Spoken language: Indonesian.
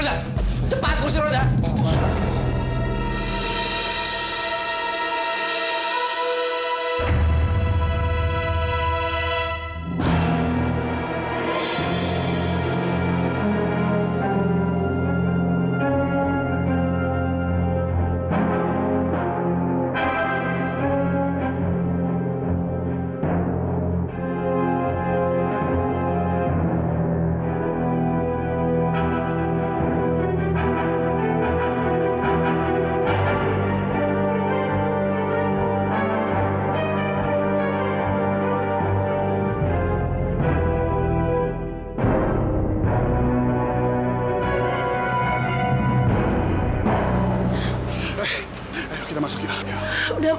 mas apa tidak cukup